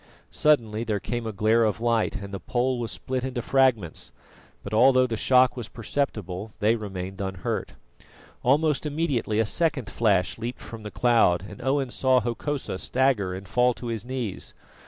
Suddenly there came a glare of light, and the pole was split into fragments; but although the shock was perceptible, they remained unhurt. Almost immediately a second flash leaped from the cloud, and Owen saw Hokosa stagger and fall to his knees.